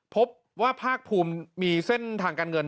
พบว่าภาคภูมิมีเส้นทางการเงิน